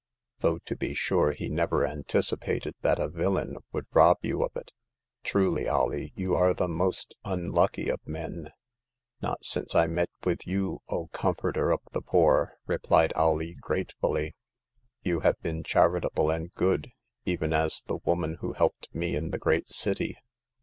Though, to be sure, he never anticipated that a villain would rob you of it. Truly, Alee, you are the most unlucky of men !"Not since I met with you, O comforter of the poor !" replied Mee, ^t^V^IwUy. '* You have The Tenth Customer. 267 been charitable and good, even as the woman who helped me in the great city.